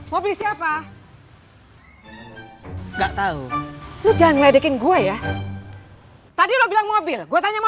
mobil siapa enggak tahu lu jangan ledekin gue ya tadi lo bilang mobil gue tanya sama